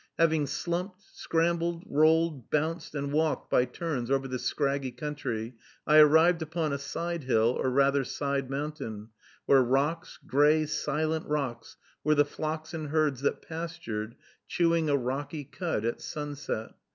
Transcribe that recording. Having slumped, scrambled, rolled, bounced, and walked, by turns, over this scraggy country, I arrived upon a side hill, or rather side mountain, where rocks, gray, silent rocks, were the flocks and herds that pastured, chewing a rocky cud at sunset.